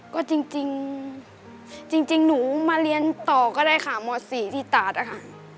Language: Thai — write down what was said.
ก็จริงจริงหนูมาเรียนต่อก็ได้ค่ะม๔ที่ตาดอะค่ะ